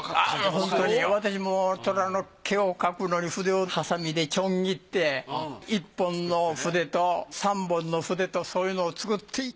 ホントに私も虎の毛を描くのに筆をはさみでちょん切って１本の筆と３本の筆とそういうのを作って。